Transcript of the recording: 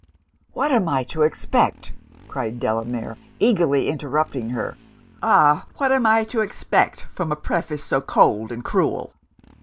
'What am I to expect,' cried Delamere, eagerly interrupting her 'Ah! what am I to expect from a preface so cold and cruel?